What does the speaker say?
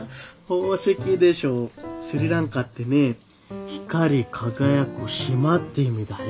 スリランカってね光輝く島って意味だよ。